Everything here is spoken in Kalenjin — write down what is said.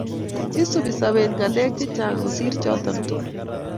isubi sabet ngalek chechang kosir choton tugul